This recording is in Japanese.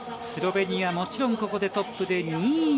スロベニアはもちろんここでトップで２位